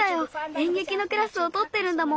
えんげきのクラスをとってるんだもん。